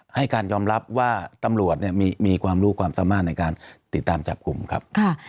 ให้การยอมรับว่าตำรวจมีความรู้ความสามารถในการติดตามจับกลุ่มครับ